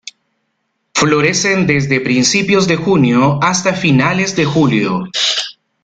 Florecen desde principios de junio hasta finales de julio.